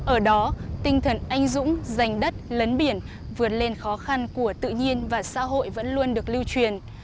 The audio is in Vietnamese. ở đó tinh thần anh dũng dành đất lấn biển vượt lên khó khăn của tự nhiên và xã hội vẫn luôn được lưu truyền